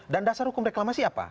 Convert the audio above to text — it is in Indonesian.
dasar hukum reklamasi apa